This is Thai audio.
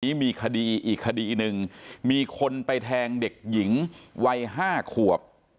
นี้มีคดีอีกคดีหนึ่งมีคนไปแทงเด็กหญิงวัย๕ขวบ